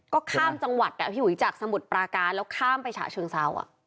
ก็ข้ามจังหวัดพี่อุ๋ยจากสมุทรปราการแล้วข้ามไปฉะเชิงเซา